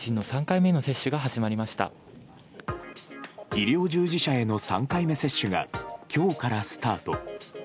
医療従事者への３回目接種が今日からスタート。